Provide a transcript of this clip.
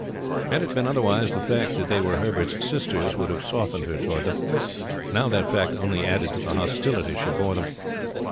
Had it been otherwise the fact that they were Herbert's sisters would have softened her toward them; now that fact only added to the hostility she bore them.